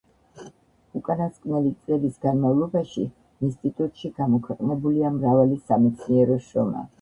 უკანასკნელი წლების განმავლობაში ინსტიტუტში გამოქვეყნებულია მრავალი სამეცნიერო შრომა.